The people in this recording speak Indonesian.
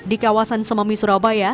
di kawasan sememi surabaya